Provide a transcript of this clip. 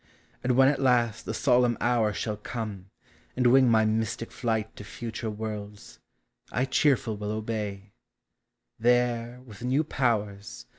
When even at last the solemn hour shall come, And wing my mystic flight to futureVorldfl, 1 cheerful will obey; there, with ne* powers.